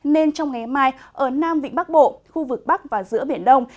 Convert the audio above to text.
nên trong ngày mai ở nam vịnh bắc bộ khu vực bắc và giữa biển đông